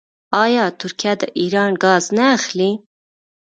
آیا ترکیه د ایران ګاز نه اخلي؟